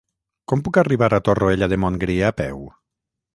Com puc arribar a Torroella de Montgrí a peu?